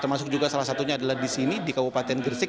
termasuk juga salah satunya adalah di sini di kabupaten gresik